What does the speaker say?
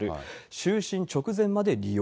就寝直前まで利用。